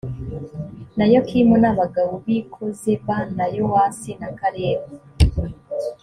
na yokimu n abagabo b i kozeba na yowasi na kalebu